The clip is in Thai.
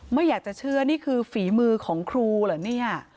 ไม่อยากจะเชื่อนี่คือฝีมือของครูเหรอเนี่ย